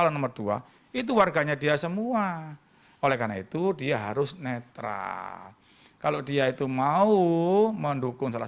nomor dua itu warganya dia semua oleh karena itu dia harus netral kalau dia itu mau mendukung salah